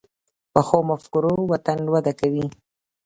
پخو مفکورو وطن وده کوي